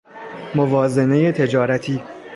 موازنه تجارتی